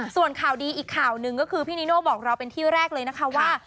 ส่วนข่าวดีอีกข่าวหนึ่งก็คือพี่นิโน่บอกเราเป็นที่แรกเลยนะคะว่า